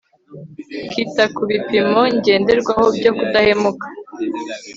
kita ku bipimo ngenderwaho byo kudahemuka